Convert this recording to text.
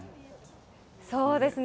そうですね。